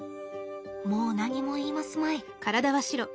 もう何も言いますまい。